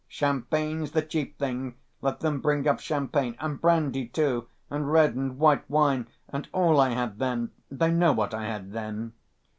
Champagne's the chief thing, let them bring up champagne. And brandy, too, and red and white wine, and all I had then.... They know what I had then."